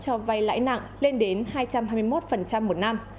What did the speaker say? các đối tượng thuê căn hộ nhóm cho vay lãi nặng lên đến hai trăm hai mươi một một năm